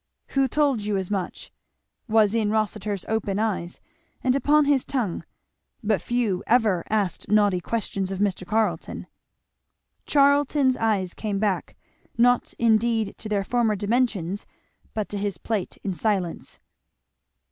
Who told you as much? was in Rossitur's open eyes, and upon his tongue; but few ever asked naughty questions of Mr Carleton. Charlton's eyes came back, not indeed to their former dimensions, but to his plate, in silence.